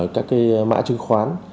các cái mã chứng khoán